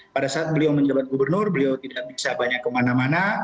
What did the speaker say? pada saat beliau menjabat gubernur beliau tidak bisa banyak kemana mana